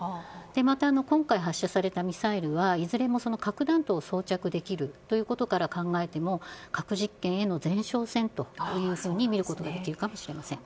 また、今回発射されたミサイルはいずれも核弾頭を装着できるということから考えても核実験への前哨戦とみることができるかもしれません。